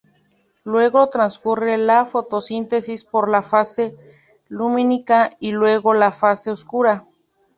Luego transcurre la fotosíntesis por la fase lumínica y luego la fase oscura.